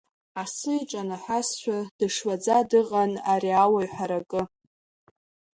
Асы иҿанаҳәазшәа дышлаӡа дыҟан ари ауаҩ ҳаракы.